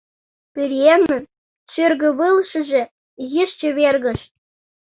Пӧръеҥын шӱргывылышыже изиш чевергыш.